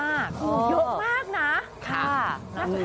เยอะมากนะ